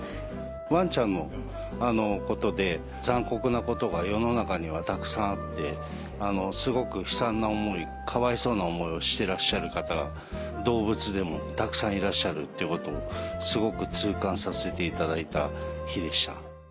ワンちゃんのことで残酷なことが世の中にはたくさんあってすごく悲惨な思いかわいそうな思いをしてらっしゃる方が動物でもたくさんいらっしゃるっていうことをすごく痛感させていただいた日でした。